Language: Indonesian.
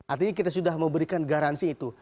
artinya kita sudah memberikan garansi itu